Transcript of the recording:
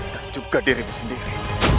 dan juga dirimu sendiri